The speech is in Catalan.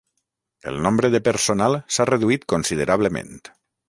El nombre de personal s'ha reduït considerablement.